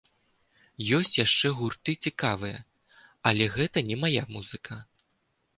Ёсць яшчэ гурты цікавыя, але гэта не мая музыка.